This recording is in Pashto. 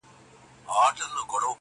د خپل جېبه د سگريټو يوه نوې قطۍ وا کړه.